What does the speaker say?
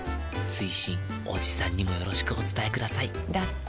追伸おじさんにもよろしくお伝えくださいだって。